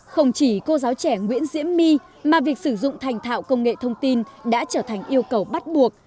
không chỉ cô giáo trẻ nguyễn diễm my mà việc sử dụng thành thạo công nghệ thông tin đã trở thành yêu cầu bắt buộc